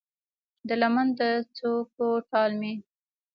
د لمن د څوکو ټال مې